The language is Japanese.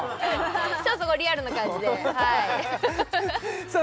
ちょっとそこはリアルな感じでさあ